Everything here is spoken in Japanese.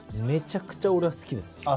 めちゃくちゃ俺は好きです。